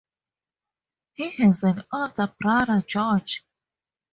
He has an older brother, George.